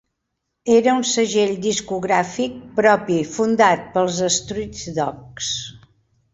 Era un segell discogràfic propi fundat pels Street Dogs.